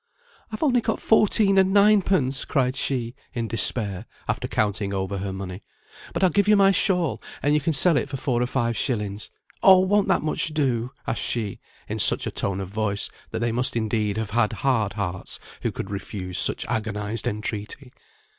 "I've only got fourteen and ninepence," cried she, in despair, after counting over her money; "but I'll give you my shawl, and you can sell it for four or five shillings, oh! won't that much do?" asked she, in such a tone of voice, that they must indeed have had hard hearts who could refuse such agonised entreaty.